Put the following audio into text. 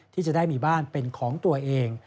ที่จะได้มีบ้านเป็นของตัวเอง